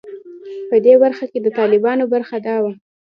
په دې برخه کې د طالبانو برخه دا وه.